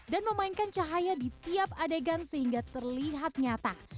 dan memainkan cahaya di tiap adegan sehingga terlihat nyata